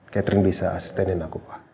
catherine bisa asistenin aku pak